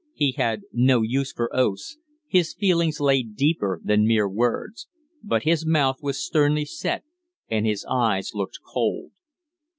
He had no use for oaths; his feelings lay deeper than mere words. But his mouth was sternly set and his eyes looked cold.